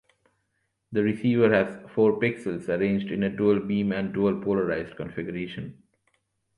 The receiver has four pixels arranged in a dual-beam and dual polarized configuration.